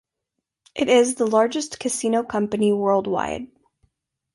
It is the largest casino company worldwide.